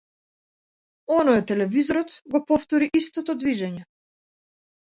Оној од телевизорот го повтори истото движење.